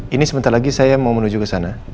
ini sebentar lagi saya mau menuju ke sana